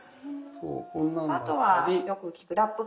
あとはよく聞くラップ